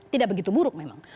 tidak begitu buruk memang